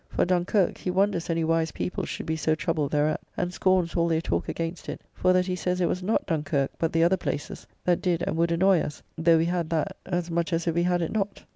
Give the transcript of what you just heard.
For Dunkirk; he wonders any wise people should be so troubled thereat, and scorns all their talk against it, for that he says it was not Dunkirk, but the other places, that did and would annoy us, though we had that, as much as if we had it not.